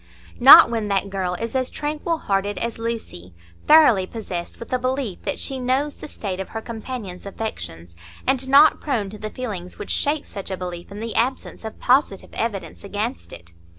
Not when that girl is as tranquil hearted as Lucy, thoroughly possessed with a belief that she knows the state of her companions' affections, and not prone to the feelings which shake such a belief in the absence of positive evidence against it.